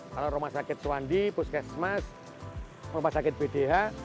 kalau rumah sakit suwandi puskesmas rumah sakit bdh